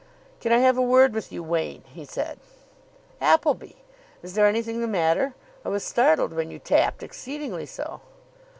"Can I have a word with you, Wain?" he said. "Appleby! Is there anything the matter? I was startled when you tapped. Exceedingly so."